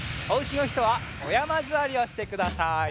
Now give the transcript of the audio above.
おうちのひとはおやまずわりをしてください。